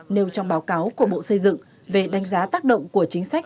nêu trong báo cáo của bộ xây dựng về đánh giá tác động của chính sách